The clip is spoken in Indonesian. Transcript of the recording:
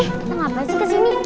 kita ngapain sih kesini